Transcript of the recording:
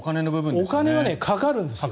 お金はかかるんです。